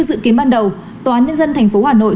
dự kiến ban đầu tòa án nhân dân tp hà nội